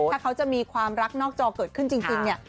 ถ้าเขาจะมีความรักนอกจอเกิดขึ้นจริงเนี่ย